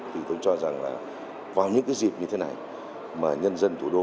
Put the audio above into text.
thì tôi cho rằng là vào những cái dịp như thế này mà nhân dân thủ đô